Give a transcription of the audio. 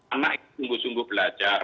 anak itu sungguh sungguh belajar